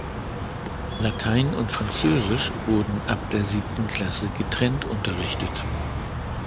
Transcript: Latein und Französisch wurden ab der siebten Klasse getrennt unterrichtet.